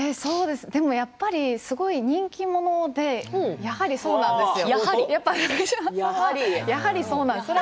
やっぱりすごい人気者でやはり、そうなんですよ。